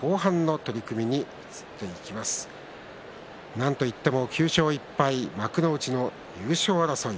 なんといっても９勝１敗幕内の優勝争い